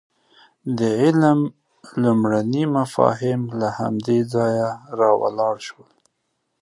د علم لومړني مفاهیم له همدې ځایه راولاړ شول.